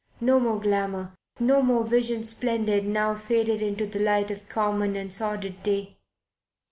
No more glamour. No more Vision Splendid now faded into the light of common and sordid day.